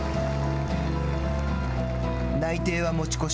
内定は持ち越し。